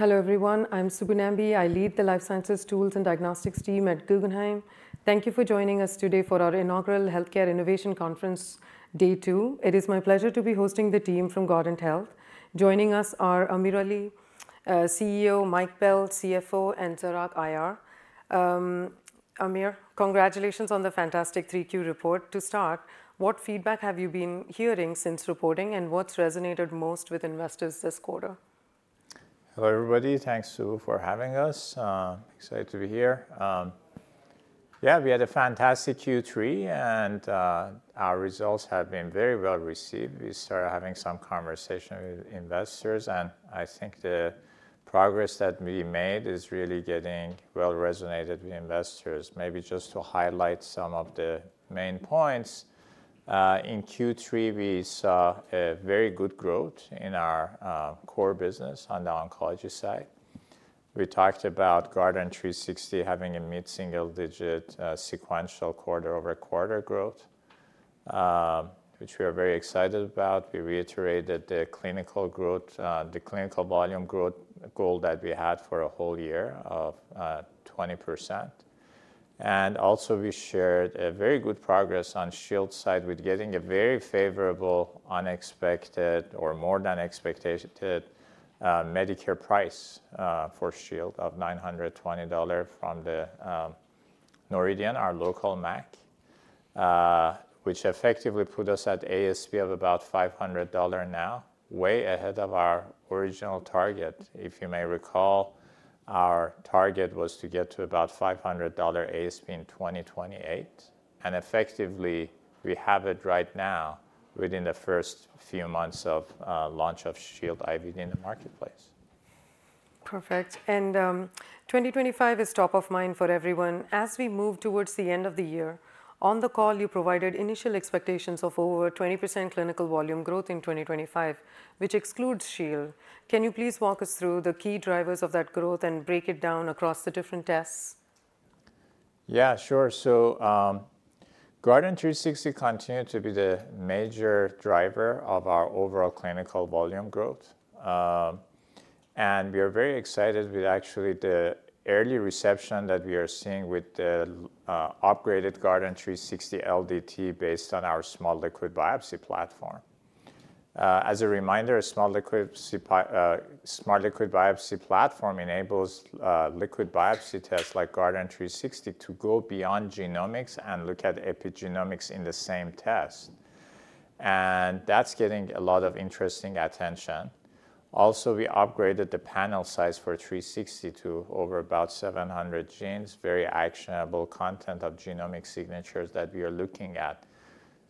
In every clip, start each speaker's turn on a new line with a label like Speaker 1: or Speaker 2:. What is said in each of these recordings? Speaker 1: Hello, everyone. I'm Subbu Nambi. I lead the Life Sciences Tools and Diagnostics team at Guggenheim. Thank you for joining us today for our inaugural Healthcare Innovation Conference, Day 2. It is my pleasure to be hosting the team from Guardant Health. Joining us are AmirAli, CEO; Mike Bell, CFO; and Zarak, IR. Amir, congratulations on the fantastic 3Q report. To start, what feedback have you been hearing since reporting, and what's resonated most with investors this quarter?
Speaker 2: Hello, everybody. Thanks, Subbu, for having us. Excited to be here. Yeah, we had a fantastic Q3, and our results have been very well received. We started having some conversations with investors, and I think the progress that we made is really getting well resonated with investors. Maybe just to highlight some of the main points, in Q3, we saw very good growth in our core business on the oncology side. We talked about Guardant360 having a mid-single-digit sequential quarter-over-quarter growth, which we are very excited about. We reiterated the clinical volume growth goal that we had for a whole year of 20%. And also, we shared very good progress on the Shield side with getting a very favorable, unexpected, or more than expected, Medicare price for Shield of $920 from the Noridian, our local MAC, which effectively put us at ASP of about $500 now, way ahead of our original target. If you may recall, our target was to get to about $500 ASP in 2028. And effectively, we have it right now within the first few months of launch of Shield IVD in the marketplace.
Speaker 1: Perfect. And 2025 is top of mind for everyone. As we move towards the end of the year, on the call, you provided initial expectations of over 20% clinical volume growth in 2025, which excludes Shield. Can you please walk us through the key drivers of that growth and break it down across the different tests?
Speaker 2: Yeah, sure. So Guardant360 continued to be the major driver of our overall clinical volume growth. And we are very excited with actually the early reception that we are seeing with the upgraded Guardant360 LDT based on our Smart Liquid Biopsy platform. As a reminder, a Smart Liquid Biopsy platform enables liquid biopsy tests like Guardant360 to go beyond genomics and look at epigenomics in the same test. And that's getting a lot of interesting attention. Also, we upgraded the panel size for 360 to over about 700 genes, very actionable content of genomic signatures that we are looking at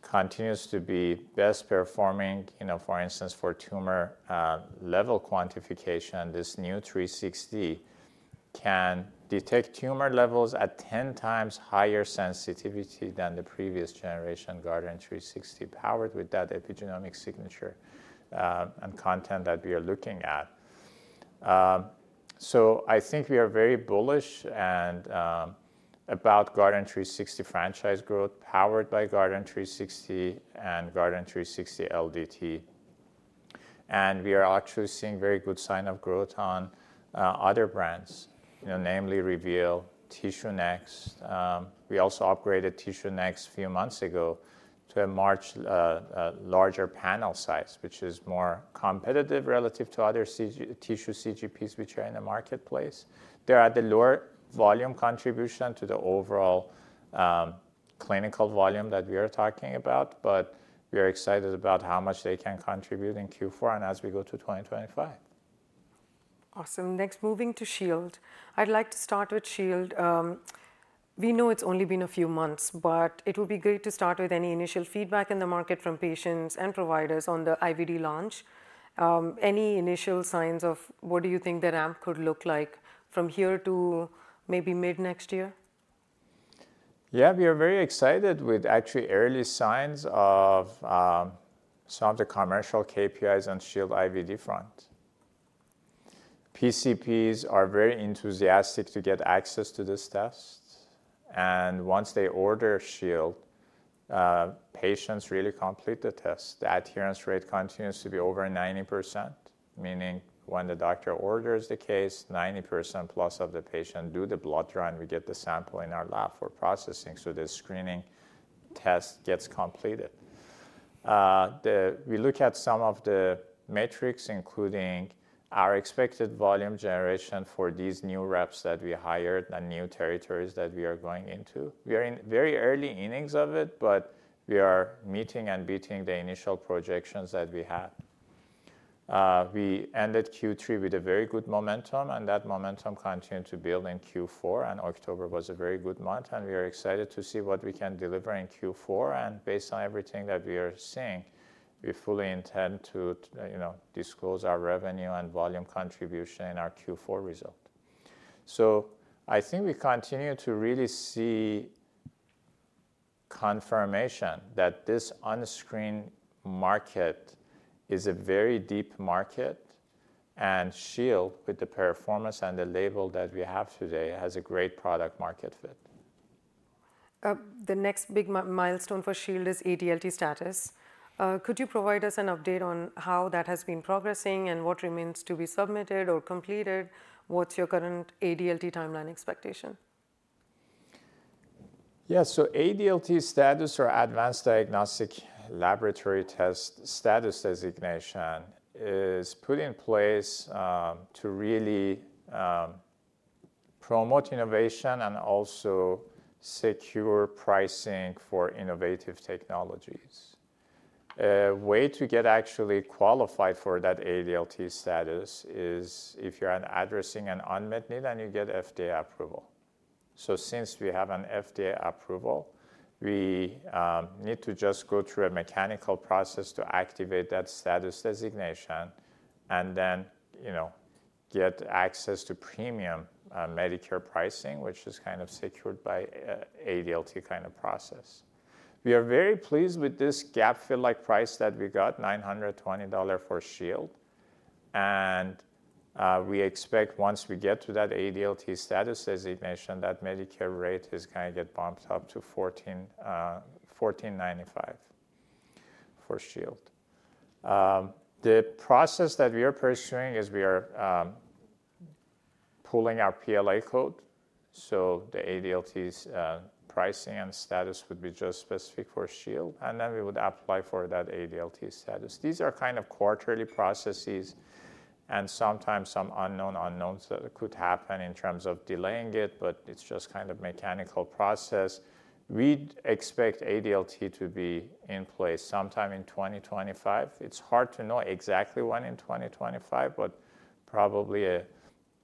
Speaker 2: continues to be best performing. For instance, for tumor level quantification, this new 360 can detect tumor levels at 10 times higher sensitivity than the previous generation Guardant360 powered with that epigenomic signature and content that we are looking at. So I think we are very bullish about Guardant360 franchise growth powered by Guardant360 and Guardant360 LDT. And we are actually seeing very good signs of growth on other brands, namely Reveal, TissueNext. We also upgraded TissueNext a few months ago to a much larger panel size, which is more competitive relative to other tissue CGPs which are in the marketplace. They're at the lower volume contribution to the overall clinical volume that we are talking about, but we are excited about how much they can contribute in Q4 and as we go to 2025.
Speaker 1: Awesome. Next, moving to Shield. I'd like to start with Shield. We know it's only been a few months, but it would be great to start with any initial feedback in the market from patients and providers on the IVD launch. Any initial signs of what do you think the ramp could look like from here to maybe mid next year?
Speaker 2: Yeah, we are very excited with actually early signs of some of the commercial KPIs on Shield IVD front. PCPs are very enthusiastic to get access to this test, and once they order Shield, patients really complete the test. The adherence rate continues to be over 90%, meaning when the doctor orders the case, 90% plus of the patients do the blood draw and we get the sample in our lab for processing so the screening test gets completed. We look at some of the metrics, including our expected volume generation for these new reps that we hired and new territories that we are going into. We are in very early innings of it, but we are meeting and beating the initial projections that we had. We ended Q3 with a very good momentum, and that momentum continued to build in Q4. And October was a very good month, and we are excited to see what we can deliver in Q4. And based on everything that we are seeing, we fully intend to disclose our revenue and volume contribution in our Q4 result. So I think we continue to really see confirmation that this unscreened market is a very deep market, and Shield with the performance and the label that we have today has a great product-market fit.
Speaker 1: The next big milestone for Shield is ADLT status. Could you provide us an update on how that has been progressing and what remains to be submitted or completed? What's your current ADLT timeline expectation?
Speaker 2: Yeah, so ADLT status, or Advanced Diagnostic Laboratory Test status designation, is put in place to really promote innovation and also secure pricing for innovative technologies. A way to get actually qualified for that ADLT status is if you're addressing an unmet need and you get FDA approval. So since we have an FDA approval, we need to just go through a mechanical process to activate that status designation and then get access to premium Medicare pricing, which is kind of secured by an ADLT kind of process. We are very pleased with this gap-fill-like price that we got, $920 for Shield. And we expect once we get to that ADLT status, as you mentioned, that Medicare rate is going to get bumped up to $1495 for Shield. The process that we are pursuing is we are pulling our PLA code. The ADLT's pricing and status would be just specific for Shield. We would apply for that ADLT status. These are kind of quarterly processes, and sometimes some unknown unknowns that could happen in terms of delaying it, but it's just kind of a mechanical process. We expect ADLT to be in place sometime in 2025. It's hard to know exactly when in 2025, but probably a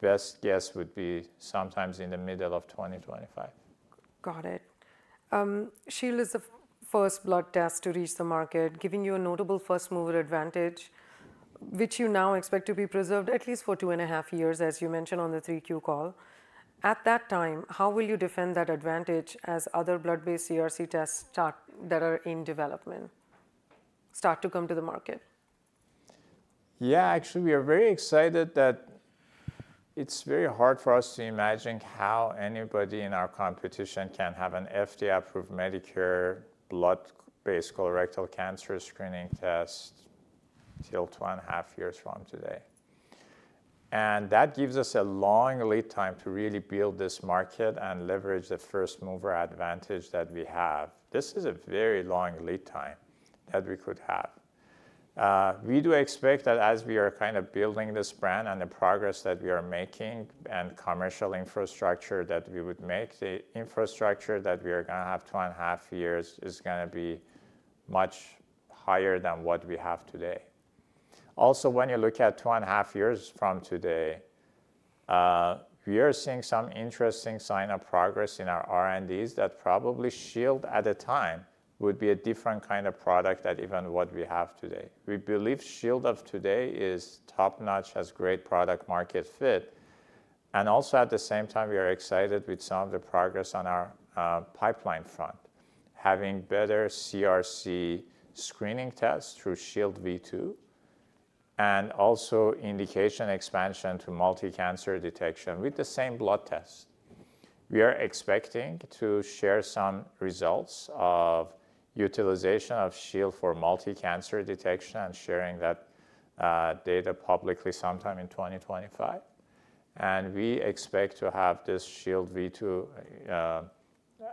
Speaker 2: best guess would be sometime in the middle of 2025.
Speaker 1: Got it. Shield is the first blood test to reach the market, giving you a notable first-mover advantage, which you now expect to be preserved at least for two and a half years, as you mentioned on the 3Q call. At that time, how will you defend that advantage as other blood-based CRC tests that are in development start to come to the market?
Speaker 2: Yeah, actually, we are very excited that it's very hard for us to imagine how anybody in our competition can have an FDA-approved Medicare blood-based colorectal cancer screening test till two and a half years from today. And that gives us a long lead time to really build this market and leverage the first-mover advantage that we have. This is a very long lead time that we could have. We do expect that as we are kind of building this brand and the progress that we are making and commercial infrastructure that we would make, the infrastructure that we are going to have two and a half years is going to be much higher than what we have today. Also, when you look at two and a half years from today, we are seeing some interesting sign of progress in our R&Ds that probably Shield at the time would be a different kind of product than even what we have today. We believe Shield of today is top-notch as great product-market fit. And also, at the same time, we are excited with some of the progress on our pipeline front, having better CRC screening tests through Shield V2, and also indication expansion to multicancer detection with the same blood tests. We are expecting to share some results of utilization of Shield for multicancer detection and sharing that data publicly sometime in 2025. And we expect to have this Shield V2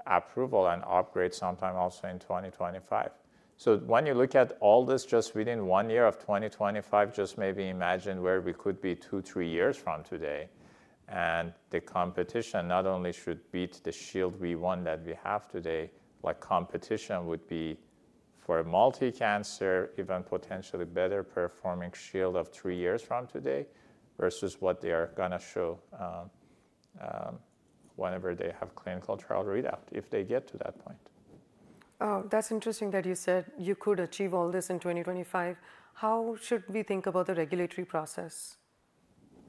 Speaker 2: approval and upgrade sometime also in 2025. So when you look at all this just within one year of 2025, just maybe imagine where we could be two, three years from today. And the competition not only should beat the Shield V1 that we have today, but competition would be for a multicancer, even potentially better performing Shield of three years from today versus what they are going to show whenever they have clinical trial readout if they get to that point.
Speaker 1: That's interesting that you said you could achieve all this in 2025. How should we think about the regulatory process?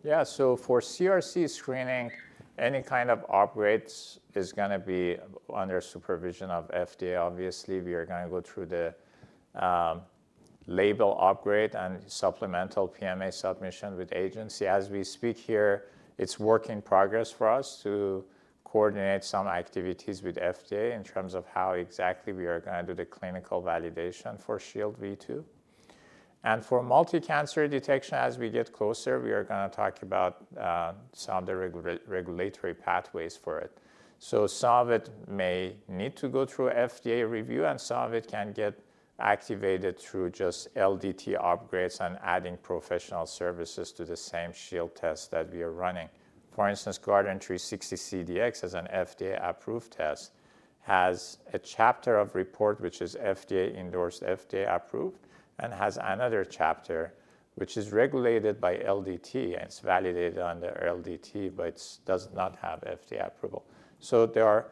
Speaker 2: Yeah, so for CRC screening, any kind of upgrades is going to be under supervision of FDA. Obviously, we are going to go through the label upgrade and supplemental PMA submission with agency. As we speak here, it's work in progress for us to coordinate some activities with FDA in terms of how exactly we are going to do the clinical validation for Shield V2. And for multicancer detection, as we get closer, we are going to talk about some of the regulatory pathways for it. So some of it may need to go through FDA review, and some of it can get activated through just LDT upgrades and adding professional services to the same Shield test that we are running. For instance, Guardant360 CDx is an FDA-approved test. It has a chapter of report which is FDA-endorsed, FDA-approved, and has another chapter which is regulated by LDT. It's validated under LDT, but it does not have FDA approval. So the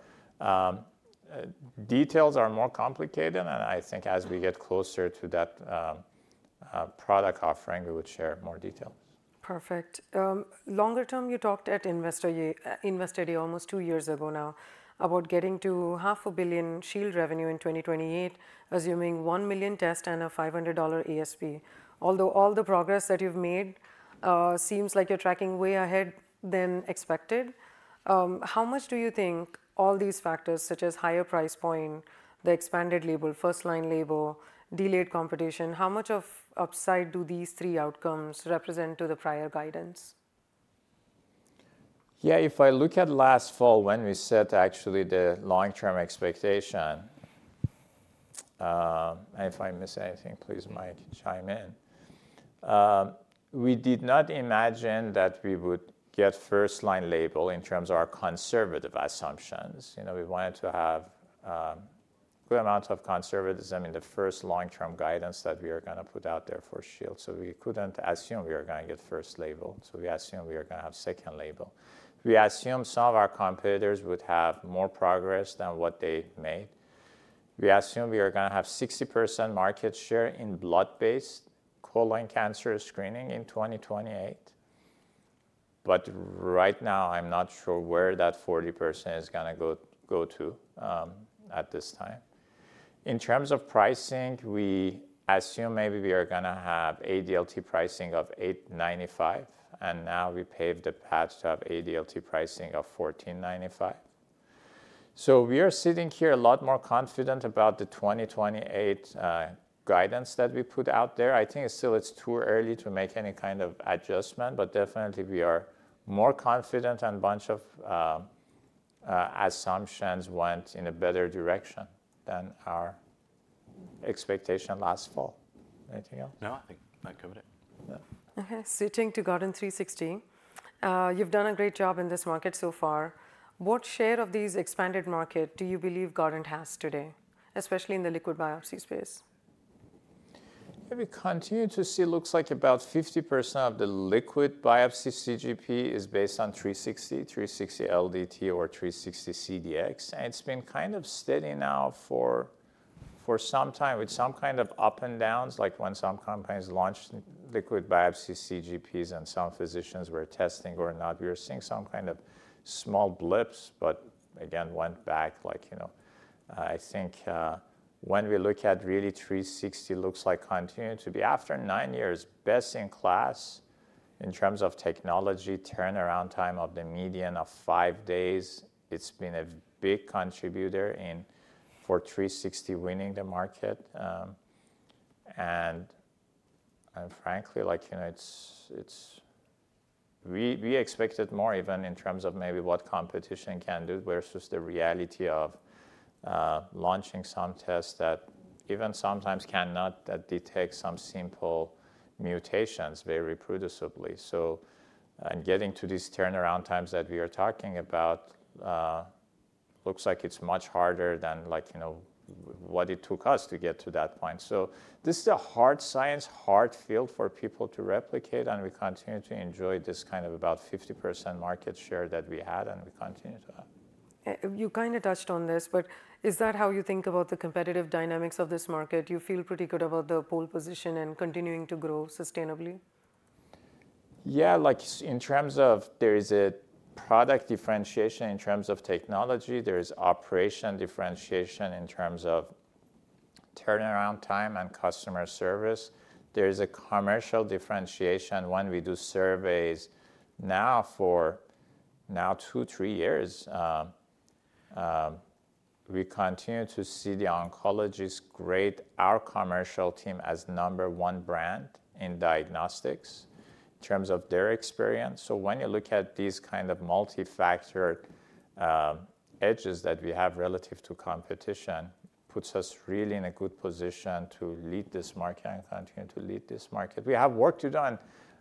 Speaker 2: details are more complicated, and I think as we get closer to that product offering, we would share more details.
Speaker 1: Perfect. Longer term, you talked at Investor Day almost two years ago now about getting to $500 million Shield revenue in 2028, assuming 1 million tests and a $500 ASP. Although all the progress that you've made seems like you're tracking way ahead than expected, how much do you think all these factors, such as higher price point, the expanded label, first-line label, delayed competition, how much of upside do these three outcomes represent to the prior guidance?
Speaker 2: Yeah, if I look at last fall when we set actually the long-term expectation, and if I miss anything, please, Mike, chime in. We did not imagine that we would get first-line label in terms of our conservative assumptions. We wanted to have a good amount of conservatism in the first long-term guidance that we are going to put out there for Shield. So we couldn't assume we were going to get first label. So we assumed we were going to have second label. We assumed some of our competitors would have more progress than what they made. We assumed we were going to have 60% market share in blood-based colon cancer screening in 2028. But right now, I'm not sure where that 40% is going to go to at this time. In terms of pricing, we assumed maybe we are going to have ADLT pricing of $895, and now we paved the path to have ADLT pricing of $1495, so we are sitting here a lot more confident about the 2028 guidance that we put out there. I think it's still too early to make any kind of adjustment, but definitely we are more confident and a bunch of assumptions went in a better direction than our expectation last fall. Anything else?
Speaker 3: No, I think that covered it.
Speaker 1: Switching to Guardant360. You've done a great job in this market so far. What share of these expanded market do you believe Guardant has today, especially in the liquid biopsy space?
Speaker 2: Yeah, we continue to see it looks like about 50% of the liquid biopsy CGP is based on 360, 360 LDT, or 360 CDx. It's been kind of steady now for some time with some kind of ups and downs, like when some companies launched liquid biopsy CGPs and some physicians were testing or not. We were seeing some kind of small blips, but again, went back. I think when we look at really 360, it looks like continuing to be after nine years, best in class in terms of technology turnaround time of the median of five days. It's been a big contributor for 360 winning the market. Frankly, we expected more even in terms of maybe what competition can do versus the reality of launching some tests that even sometimes cannot detect some simple mutations very reproducibly. So in getting to these turnaround times that we are talking about, it looks like it's much harder than what it took us to get to that point. So this is a hard science, hard field for people to replicate. And we continue to enjoy this kind of about 50% market share that we had, and we continue to have.
Speaker 1: You kind of touched on this, but is that how you think about the competitive dynamics of this market? Do you feel pretty good about the pole position and continuing to grow sustainably?
Speaker 2: Yeah, like in terms of there is a product differentiation in terms of technology. There is operational differentiation in terms of turnaround time and customer service. There is a commercial differentiation. When we do surveys now for now two, three years, we continue to see the oncologists grade our commercial team as number one brand in diagnostics in terms of their experience. So when you look at these kind of multifactor edges that we have relative to competition, it puts us really in a good position to lead this market and continue to lead this market. We have work to do on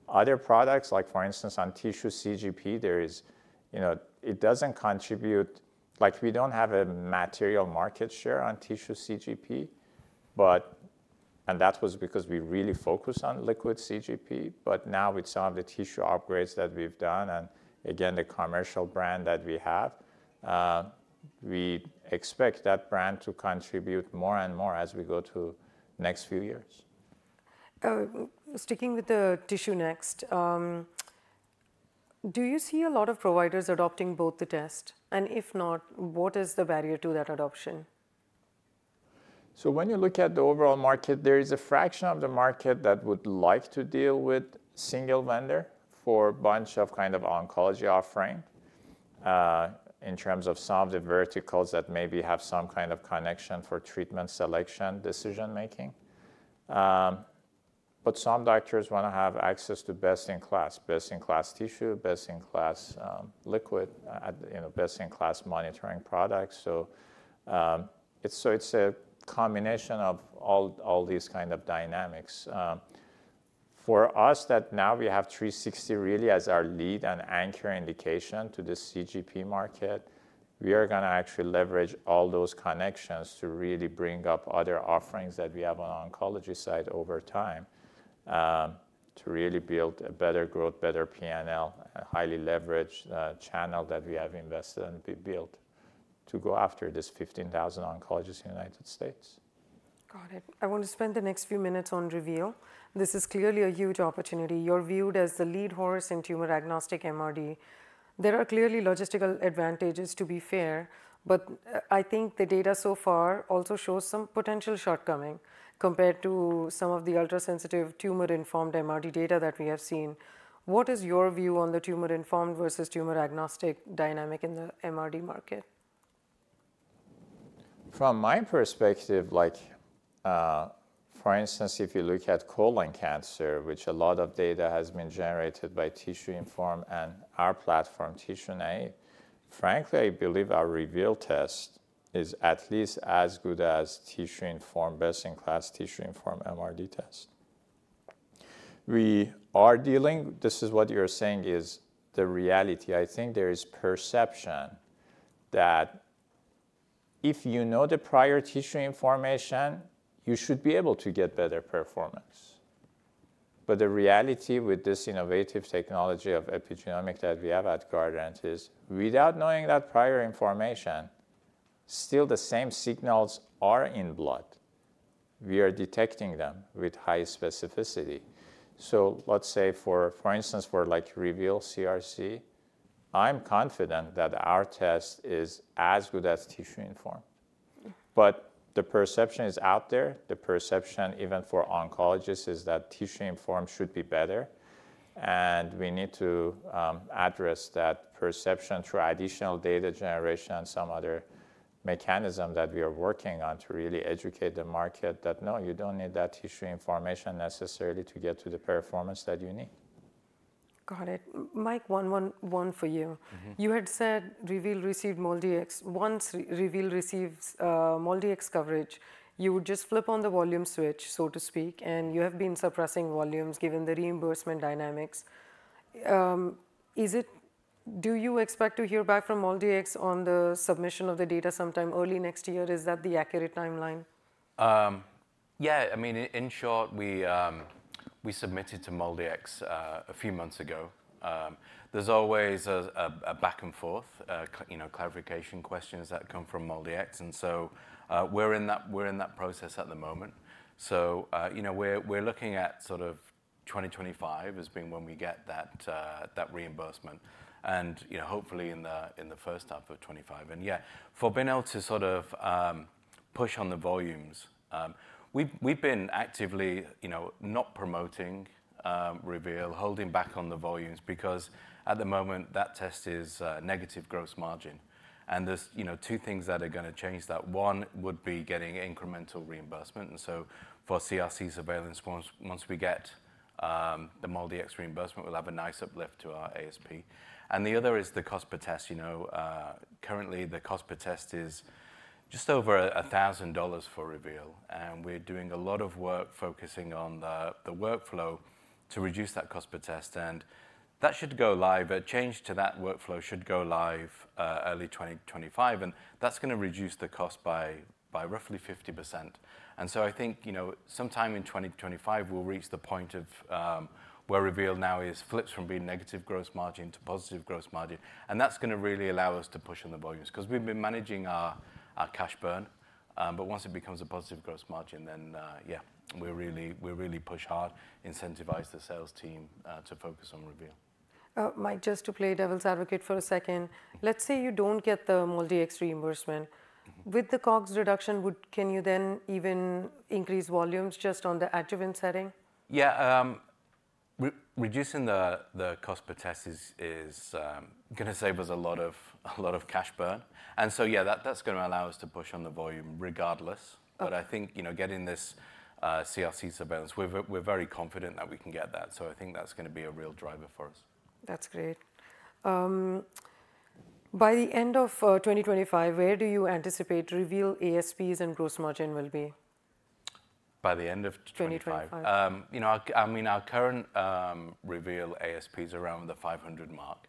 Speaker 2: other products. Like for instance, on tissue CGP, it doesn't contribute like we don't have a material market share on tissue CGP. That was because we really focused on liquid CGP. But now with some of the tissue upgrades that we've done and again, the commercial brand that we have, we expect that brand to contribute more and more as we go to the next few years.
Speaker 1: Sticking with the TissueNext, do you see a lot of providers adopting both the tests? And if not, what is the barrier to that adoption?
Speaker 2: So when you look at the overall market, there is a fraction of the market that would like to deal with single vendor for a bunch of kind of oncology offering in terms of some of the verticals that maybe have some kind of connection for treatment selection decision-making. But some doctors want to have access to best in class, best in class tissue, best in class liquid, best in class monitoring products. So it's a combination of all these kind of dynamics. For us, that now we have 360 really as our lead and anchor indication to the CGP market, we are going to actually leverage all those connections to really bring up other offerings that we have on the oncology side over time to really build a better growth, better PNL, and highly leveraged channel that we have invested and built to go after this 15,000 oncologists in the United States.
Speaker 1: Got it. I want to spend the next few minutes on Reveal. This is clearly a huge opportunity. You're viewed as the lead horse in tumor diagnostic MRD. There are clearly logistical advantages to be fair, but I think the data so far also shows some potential shortcoming compared to some of the ultra-sensitive tumor-informed MRD data that we have seen. What is your view on the tumor-informed versus tumor-agnostic dynamic in the MRD market?
Speaker 2: From my perspective, for instance, if you look at colon cancer, which a lot of data has been generated by tissue-informed and our platform, TissueNext, frankly, I believe our Reveal test is at least as good as tissue-informed, best in class tissue-informed MRD test. We are dealing this is what you're saying is the reality. I think there is perception that if you know the prior tissue information, you should be able to get better performance. But the reality with this innovative technology of epigenomics that we have at Guardant is without knowing that prior information, still the same signals are in blood. We are detecting them with high specificity. So let's say, for instance, for Reveal CRC, I'm confident that our test is as good as tissue-informed. But the perception is out there. The perception, even for oncologists, is that tissue-informed should be better. We need to address that perception through additional data generation and some other mechanism that we are working on to really educate the market that, no, you don't need that tissue information necessarily to get to the performance that you need.
Speaker 1: Got it. Mike, one for you. You had said Reveal received MolDX. Once Reveal receives MolDX coverage, you would just flip on the volume switch, so to speak, and you have been suppressing volumes given the reimbursement dynamics. Do you expect to hear back from MolDX on the submission of the data sometime early next year? Is that the accurate timeline?
Speaker 3: Yeah. I mean, in short, we submitted to MolDX a few months ago. There's always a back and forth, clarification questions that come from MolDX, and so we're in that process at the moment, so we're looking at sort of 2025 as being when we get that reimbursement, and hopefully in the first half of 2025. And yeah, for being able to sort of push on the volumes, we've been actively not promoting Reveal, holding back on the volumes, because at the moment, that test is negative gross margin. And there's two things that are going to change that. One would be getting incremental reimbursement, and so for CRC surveillance, once we get the MolDX reimbursement, we'll have a nice uplift to our ASP. And the other is the COGS. Currently, the COGS is just over $1,000 for Reveal. And we're doing a lot of work focusing on the workflow to reduce that COGS per test. And that should go live. A change to that workflow should go live early 2025. And that's going to reduce the cost by roughly 50%. And so I think sometime in 2025, we'll reach the point where Reveal now is flips from being negative gross margin to positive gross margin. And that's going to really allow us to push on the volumes, because we've been managing our cash burn. But once it becomes a positive gross margin, then yeah, we'll really push hard, incentivize the sales team to focus on Reveal.
Speaker 1: Mike, just to play devil's advocate for a second, let's say you don't get the MolDX reimbursement. With the COGS reduction, can you then even increase volumes just on the adjuvant setting?
Speaker 3: Yeah. Reducing the COGS per test is going to save us a lot of cash burn, and so yeah, that's going to allow us to push on the volume regardless, but I think getting this CRC surveillance, we're very confident that we can get that, so I think that's going to be a real driver for us.
Speaker 1: That's great. By the end of 2025, where do you anticipate Reveal ASPs and gross margin will be?
Speaker 3: By the end of 2025?
Speaker 1: 2025.
Speaker 3: I mean, our current Reveal ASP is around the $500 mark.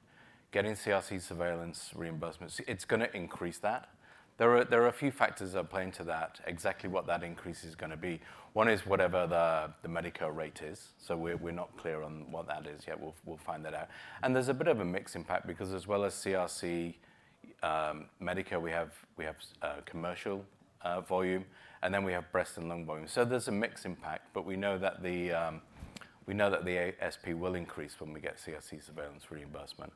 Speaker 3: Getting CRC surveillance reimbursements, it's going to increase that. There are a few factors that play into that, exactly what that increase is going to be. One is whatever the Medicare rate is. So we're not clear on what that is yet. We'll find that out. And there's a bit of a mixed impact, because as well as CRC, Medicare, we have commercial volume, and then we have breast and lung volume. So there's a mixed impact. But we know that the ASP will increase when we get CRC surveillance reimbursement.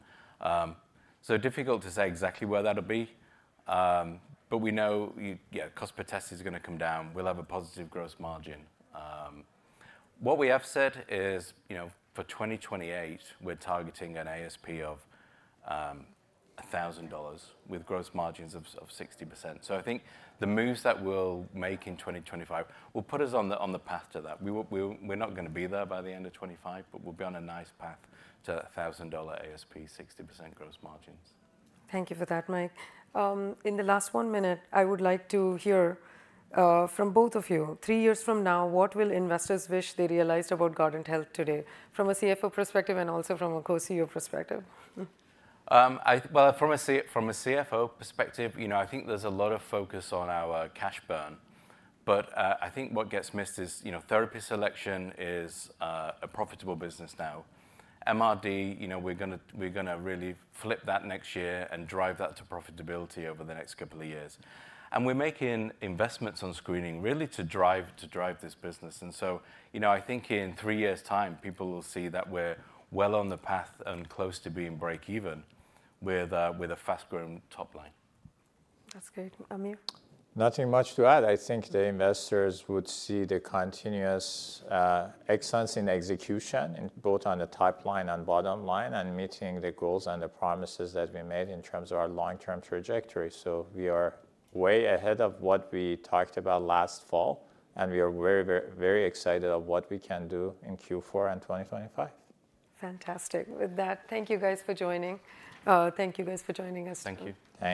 Speaker 3: So difficult to say exactly where that'll be. But we know COGS per test is going to come down. We'll have a positive gross margin. What we have said is for 2028, we're targeting an ASP of $1,000 with gross margins of 60%. I think the moves that we'll make in 2025 will put us on the path to that. We're not going to be there by the end of 2025, but we'll be on a nice path to $1,000 ASP, 60% gross margins.
Speaker 1: Thank you for that, Mike. In the last one minute, I would like to hear from both of you. Three years from now, what will investors wish they realized about Guardant Health today from a CFO perspective and also from a co-CEO perspective?
Speaker 3: From a CFO perspective, I think there's a lot of focus on our cash burn. But I think what gets missed is therapy selection is a profitable business now. MRD, we're going to really flip that next year and drive that to profitability over the next couple of years. And we're making investments on screening really to drive this business. And so I think in three years' time, people will see that we're well on the path and close to being break-even with a fast-growing top line.
Speaker 1: That's good. Amir?
Speaker 2: Nothing much to add. I think the investors would see the continuous excellence in execution, both on the top line and bottom line, and meeting the goals and the promises that we made in terms of our long-term trajectory. So we are way ahead of what we talked about last fall, and we are very, very excited of what we can do in Q4 and 2025.
Speaker 1: Fantastic. With that, thank you guys for joining. Thank you guys for joining us today.
Speaker 3: Thank you.